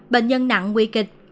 bệnh nhân nặng nguy kịch